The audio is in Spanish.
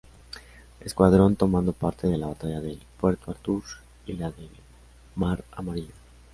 Escuadrón tomando parte de la Batalla de puerto Arthur y la del Mar Amarillo.